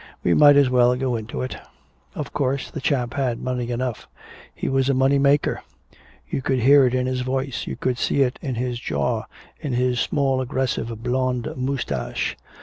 "We might as well go into it." Of course the chap had money enough. He was a money maker. You could hear it in his voice; you could see it in his jaw, in his small aggressive blonde moustache.